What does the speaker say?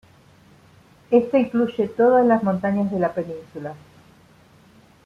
Ésta incluye todas las montañas de la península.